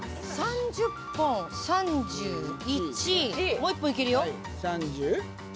もう１本いけるよ。